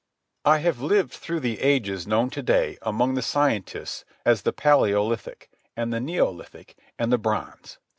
I have lived through the ages known to day among the scientists as the Paleolithic, the Neolithic, and the Bronze.